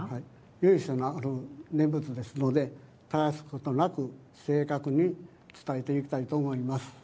由緒ある念仏ですので絶やすことなく正確に伝えていきたいと思います。